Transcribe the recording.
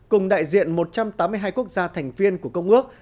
cùng đại diện một trăm tám mươi hai quốc gia thành viên của công ước